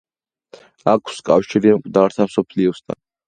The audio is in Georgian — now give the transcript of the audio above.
აქვს კავშირი მკვდართა მსოფლიოსთან.